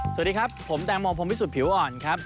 สวัสดีครับผมแตงโมพรมพิสุทธิผิวอ่อนครับ